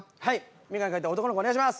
眼鏡かけた男の子お願いします。